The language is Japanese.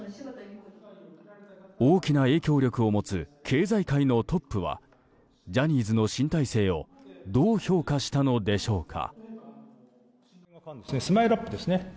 大きな影響力を持つ経済界のトップはジャニーズの新体制をどう評価したのでしょうか。